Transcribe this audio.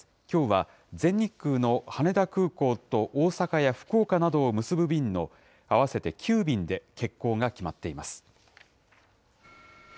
きょうは全日空の羽田空港と、大阪や福岡などを結ぶ便の合わせて９便で欠航が決まっています。